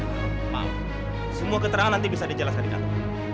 maaf semua keterangan nanti bisa dijelaskan di nato